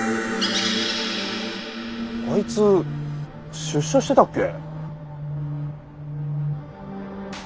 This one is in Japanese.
あいつ出所してたっけ？